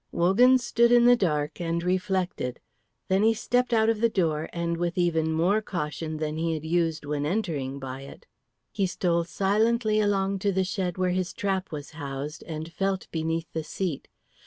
Wogan stood in the dark and reflected. Then he stepped out of the door with even more caution than he had used when entering by it. He stole silently along to the shed where his trap was housed, and felt beneath the seat.